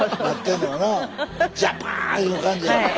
いう感じや。